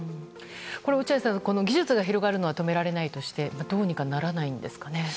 落合さん、技術が広がるのは止められないとしてどうにかならないんですかね。